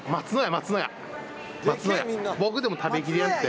僕でも食べきれんって。